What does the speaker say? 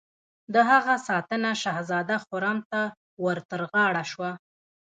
د هغه ساتنه شهزاده خرم ته ور تر غاړه شوه.